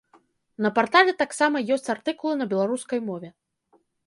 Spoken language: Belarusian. На партале таксама ёсць артыкулы на беларускай мове.